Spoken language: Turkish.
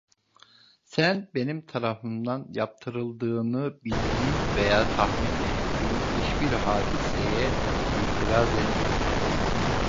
Sen benim tarafımdan yaptırıldığını bildiğin veya tahmin ettiğin hiçbir hadiseye itiraz etme…